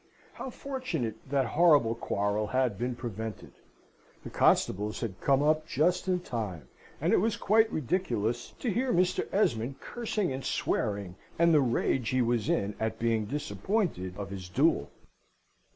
How fortunate that horrible quarrel had been prevented! The constables had come up just in time; and it was quite ridiculous to hear Mr. Esmond cursing and swearing, and the rage he was in at being disappointed of his duel!